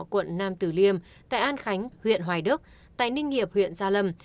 quận nam tử liêm tại an khánh huyện hoài đức tài ninh nghiệp huyện gia lâm